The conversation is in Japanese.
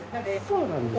そうなんですね。